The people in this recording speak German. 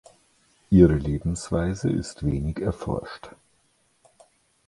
Ihre Lebensweise ist wenig erforscht.